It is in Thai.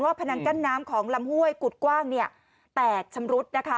ว่าพนังกั้นน้ำของลำกัวงเรเงินปัดชำรุดนะคะ